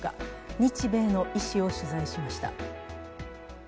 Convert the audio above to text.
日米の医師を取材しました。